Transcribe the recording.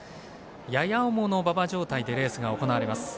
やや重の馬場状態でレースが行われます。